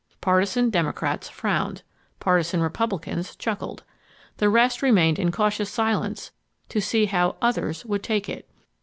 Partisan Democrats frowned. Partisan Republicans chuckled. The rest remained in cautious silence to see how "others" would take it.